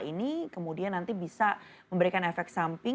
ini kemudian nanti bisa memberikan efek samping bisa berisiko anemia aplastik